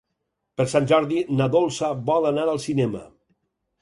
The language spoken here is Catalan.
Per Sant Jordi na Dolça vol anar al cinema.